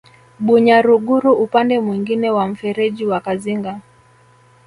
Bunyaruguru upande mwingine wa mfereji wa Kazinga